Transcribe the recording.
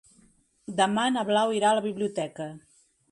Demà na Blau irà a la biblioteca.